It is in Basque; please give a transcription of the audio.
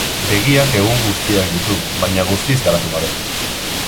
Begiak ehun guztiak ditu, baina guztiz garatu gabe.